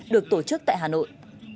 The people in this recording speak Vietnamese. được tổ chức tại hà nội